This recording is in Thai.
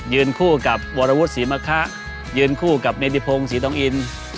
ยืนคู่กับวรวุฒิศรีมะคะยืนคู่กับเมดิพงศ์ศรีต้องอินทร์